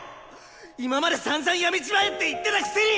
今までさんざん辞めちまえって言ってたくせに！